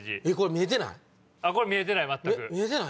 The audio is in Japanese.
見えてない全く。